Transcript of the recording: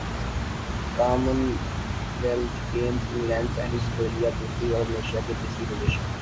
common wealth Games England پہلی Australia دوسری اور ملائشیا کی تیسری پوزیشن